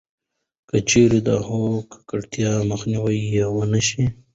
کـچـېرې د هوا کـکړتيا مخنيـوی يـې ونـه شـي٫